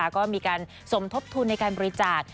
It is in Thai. ก็มีการสมทบทุนในการบริจาค